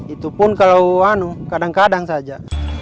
itu pun kalau kadang kadang saja